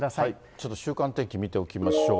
ちょっと週間天気、見ておきましょう。